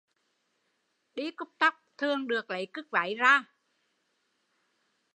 Đi cúp tóc thường được lấy cứt váy ra